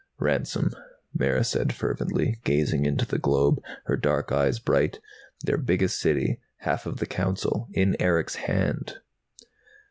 "Ransom," Mara said fervently, gazing into the globe, her dark eyes bright. "Their biggest City, half of their Council in Erick's hand!"